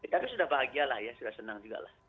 tapi sudah bahagia lah ya sudah senang juga lah